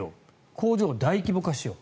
工場を大規模化しよう。